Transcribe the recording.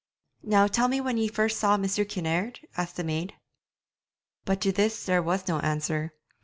'Now tell me when ye first saw Mr. Kinnaird?' asked the maid. But to this there was no answer.